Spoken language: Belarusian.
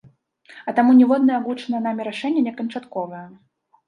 А таму ніводнае агучанае намі рашэнне не канчатковае.